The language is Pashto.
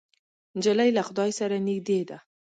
نجلۍ له خدای سره نږدې ده.